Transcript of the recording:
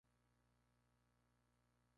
Fue enterrada bajo el coro del monasterio.